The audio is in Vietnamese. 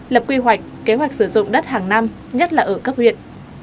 lập quy hoạch kế hoạch sử dụng đất hàng năm nhất là ở cấp huyện